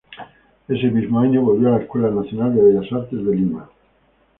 Ese mismo año volvió a la Escuela nacional de Bellas Artes de Lima.